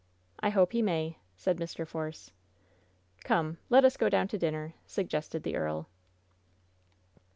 "I hope he may," said Mr. Force. "Come! Let us go down to dinner," suggested the earl.